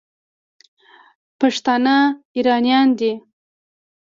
پښتانه اريايان دي.